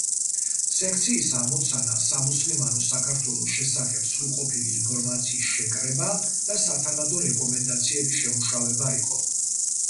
სექციის ამოცანა „სამუსლიმანო საქართველოს“ შესახებ სრულყოფილი ინფორმაციის შეკრება და სათანადო რეკომენდაციების შემუშავება იყო.